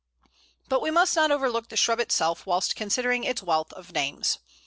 ] But we must not overlook the shrub itself whilst considering its wealth of names.